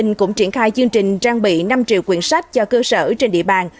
tp hcm cũng triển khai chương trình trang bị năm triệu quyển sách cho cơ sở trên địa bàn